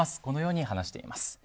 このように話しています。